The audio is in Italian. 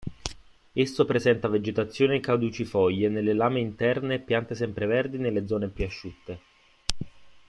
Esso presenta vegetazione caducifoglie nelle lame interne e piante sempreverdi nelle zone più asciutte.